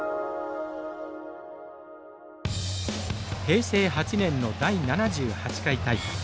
平成８年の第７８回大会。